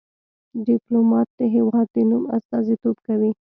ډيپلومات د هېواد د نوم استازیتوب کوي.